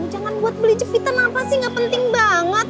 jangan buat beli jepitan apa sih gak penting banget